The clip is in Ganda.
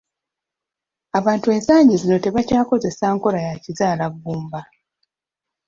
Abantu ensangi zino tebakyakozesa nkola ya kizaalaggumba.